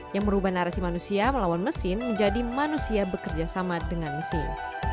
yang merubah narasi manusia melawan mesin menjadi manusia bekerja sama dengan mesin